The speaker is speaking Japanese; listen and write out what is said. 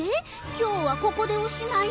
今日はここでおしまい？